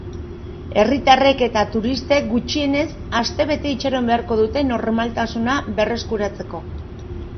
Herritarrek eta turistek gutxienez astebete itxaron beharko dute normaltasuna berreskuratzeko.